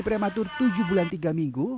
prematur tujuh bulan tiga minggu